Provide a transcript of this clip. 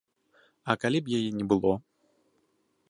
А калі б яе не было?